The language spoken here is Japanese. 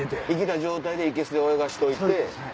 生きた状態でいけすで泳がしといて。